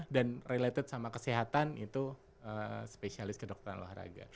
dan related sama kesehatan itu spesialis ke dokter olahraga